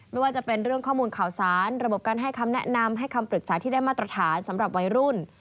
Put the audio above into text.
ไม่ว่าจะเป็นเรื่องข้อมูลข่าวสารระบบการให้คำแนะนำให้คำปรึกษาที่ได้มาตรฐานสำหรับวัยรุ่น